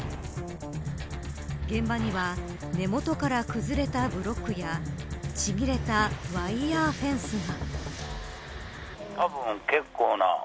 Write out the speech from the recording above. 現場には根本から崩れたブロックやちぎれたワイヤーフェンスが。